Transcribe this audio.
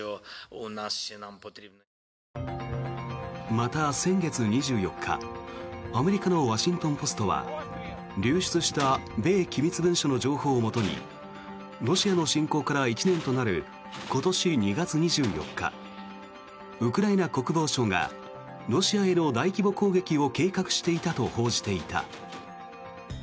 また、先月２４日アメリカのワシントン・ポストは流出した米機密文書の情報をもとにロシアの侵攻から１年となる今年２月２４日ウクライナ国防省がロシアへの大規模攻撃を計画していたと報じていた。